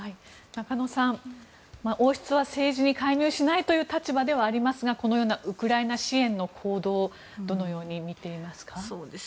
中野さん王室は政治に介入しないという立場ではありますがこのようなウクライナ支援の行動どのように見ていますか？